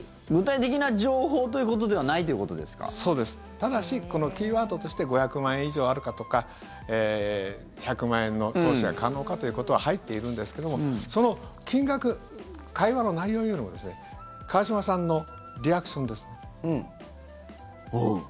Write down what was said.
ただし、このキーワードとして５００万円以上あるかとか１００万円の投資は可能かということは入っているんですけどもその金額、会話の内容よりも川島さんのリアクションです。